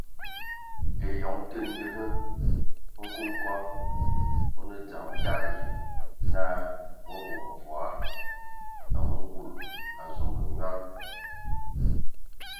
Eyɔŋ tə ndə hm nkɔkɔŋ o nə dzam tadi na o abɔ mvoa, amu ngul azombo nyɔl.